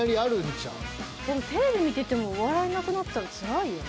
でもテレビ見ててもお笑いなくなったらツラいよね。